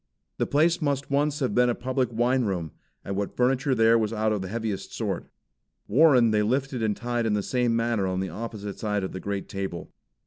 The place must once have been a public wine room, and what furniture there was of the heaviest sort. Warren they lifted and tied in the same manner on the opposite side of the great table.